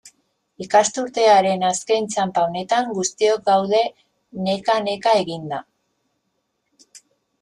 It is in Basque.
Ikasturtearen azken txanpa honetan, guztiok gaude neka-neka eginda.